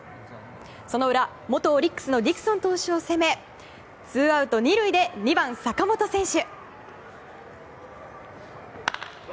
その裏、元オリックスのディクソン投手を攻めツーアウト２塁で２番、坂本選手。